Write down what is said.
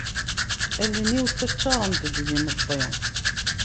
Allen-iw ttaččarent-d d immeṭṭi.